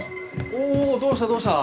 おぉどうしたどうした？